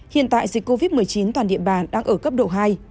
hiện tại dịch covid một mươi chín toàn địa bàn đang ở cấp độ hai